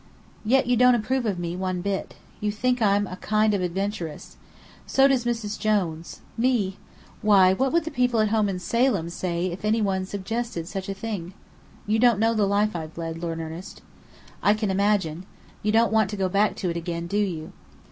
"Yet you don't approve of me one bit. You think I'm a kind of adventuress. So does Mrs. Jones. Me! Why, what would the people at home in Salem say if any one suggested such a thing? You don't know the life I've led, Lord Ernest." "I can imagine. You don't want to go back to it again, do you?"